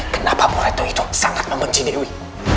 kenapa buratno itu sangat membenci dewi